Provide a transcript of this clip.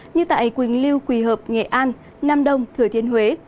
như tại quỳnh lưu quỳ hợp nghệ an nam đông thừa thiên huế